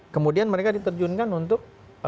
kemudian mereka diterjunkan untuk